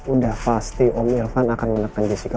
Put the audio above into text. udah pasti om irfan akan menekan jessica